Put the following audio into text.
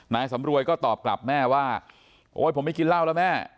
นายสำรวยก็ตอบกลับแม่ว่าโอ๊ยผมไม่กินเหล้าแล้วแม่